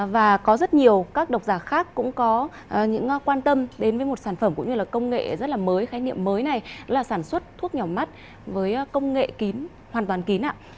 và có rất nhiều các độc giả khác cũng có những quan tâm đến với một sản phẩm cũng như là công nghệ rất là mới khái niệm mới này là sản xuất thuốc nhỏ mắt với công nghệ kín hoàn toàn kín ạ